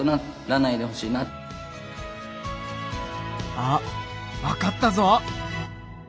あっわかったぞ！